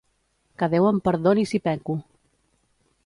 Que Déu em perdoni si peco!